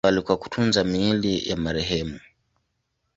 Wamisri walitumia mbinu mbalimbali kwa kutunza miili ya marehemu.